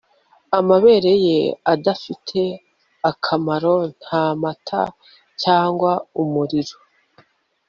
Amabere ye adafite akamaro nta mata cyangwa umuriro